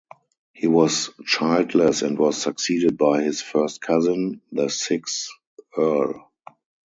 He was childless and was succeeded by his first cousin, the sixth Earl.